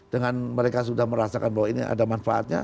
dengan mereka sudah merasakan bahwa ini ada manfaatnya